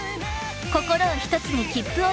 ［心を一つに切符をつかめ！］